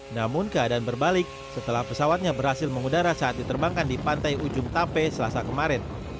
namun keadaan berbalik setelah pesawatnya berhasil mengudara saat diterbangkan di pantai ujung tape selasa kemarin